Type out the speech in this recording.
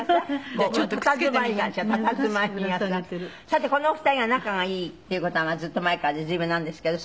さてこのお二人が仲がいいっていう事はずっと前からで随分なんですけど。